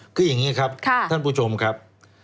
คืออย่างนี้ครับท่านผู้ชมครับ